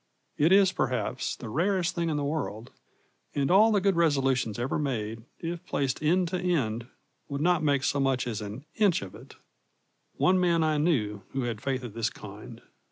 It is, perhaps, the rarest thing in the world, and all the good resolutions ever made, if placed end to end, would not make so much as an inch of it. One man I knew who had faith of this kind.